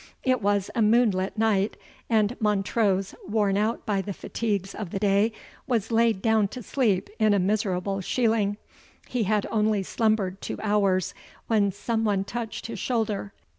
It was a moonlight night, and Montrose, worn out by the fatigues of the day, was laid down to sleep in a miserable shieling. He had only slumbered two hours, when some one touched his shoulder.